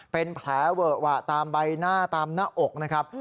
เป็นแผลเวอะหวะตามใบหน้าตามหน้าอกนะครับ